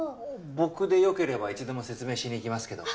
僕でよければいつでも説明しに行きますけど。